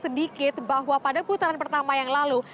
sedikit bahwa pada putaran pertama yang lalu